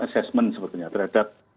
assessment sepertinya terhadap